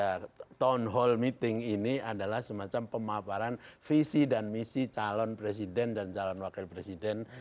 jadi town hall meeting ini adalah semacam pemaparan visi dan misi calon presiden dan calon wakil presiden